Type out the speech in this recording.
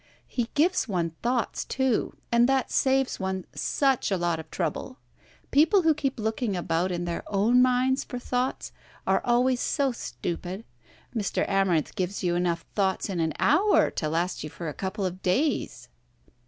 He gives one thoughts too, and that saves one such a lot of trouble. People who keep looking about in their own minds for thoughts are always so stupid. Mr. Amarinth gives you enough thoughts in an hour to last you for a couple of days."